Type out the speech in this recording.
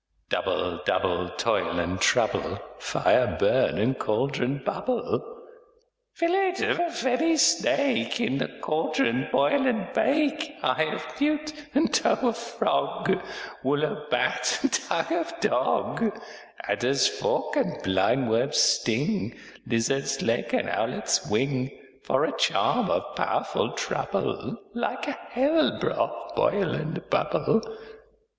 ALL Double, double toil and trouble; Fire burn, and cauldron bubble. Second Witch Fillet of a fenny snake, In the cauldron boil and bake; Eye of newt and toe of frog, Wool of bat and tongue of dog, Adder's fork and blind worm's sting, Lizard's leg and owlet's wing, For a charm of powerful trouble, Like a hell broth boil and bubble.